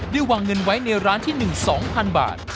วางเงินไว้ในร้านที่๑๒๐๐๐บาท